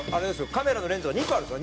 カメラのレンズが２個あるんです